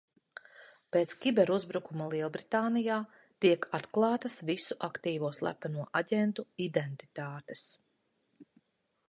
Pēc kiberuzbrukuma Lielbritānijā tiek atklātas visu aktīvo slepeno aģentu identitātes.